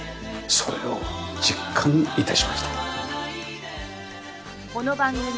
それを実感致しました。